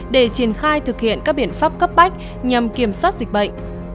để triển khai thực hiện các biện pháp cấp bách nhằm kiểm soát dịch bệnh